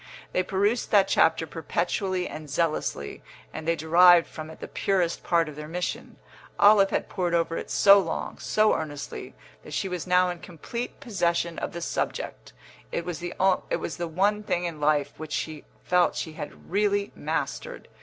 They perused that chapter perpetually and zealously, and they derived from it the purest part of their mission. Olive had pored over it so long, so earnestly, that she was now in complete possession of the subject; it was the one thing in life which she felt she had really mastered.